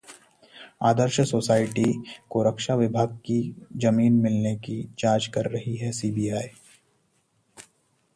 आदर्श society को रक्षा विभाग की जमीन मिलने की जांच कर रही है सीबीआई